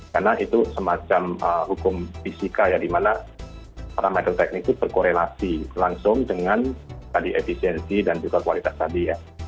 karena itu semacam hukum fisika ya di mana parameter teknis itu berkorelasi langsung dengan tadi efisiensi dan juga kualitas tadi ya